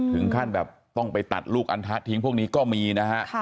ถึงขั้นแบบต้องไปตัดลูกอันทะทิ้งพวกนี้ก็มีนะฮะ